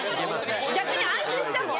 逆に安心したもん。